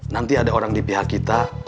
nanti ada orang di pihak kita